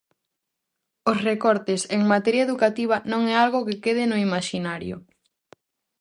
Os recortes en materia educativa non é algo que quede no imaxinario.